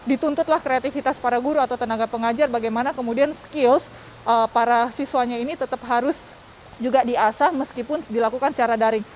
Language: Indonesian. dituntutlah kreativitas para guru atau tenaga pengajar bagaimana kemudian skills para siswanya ini tetap harus juga diasah meskipun dilakukan secara daring